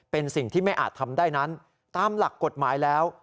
เป็นสิ่งที่ไม่อาจทำได้นั้นตามหลักกฎหมายแล้ว